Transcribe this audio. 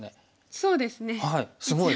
そうですね一応。